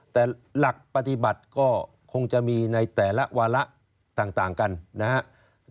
แต่หลักปฏิบัติก็คงจะมีในแต่ละวาระต่างกันนะครับ